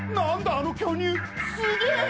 あの巨乳すげえ！